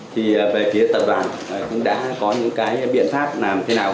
thì về phía tập đoàn cũng đã có những cái biện pháp làm thế nào